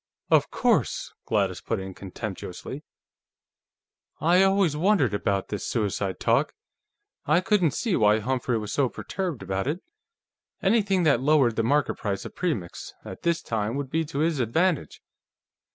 "Of course," Gladys put in contemptuously. "I always wondered about this suicide talk; I couldn't see why Humphrey was so perturbed about it. Anything that lowered the market price of Premix, at this time, would be to his advantage."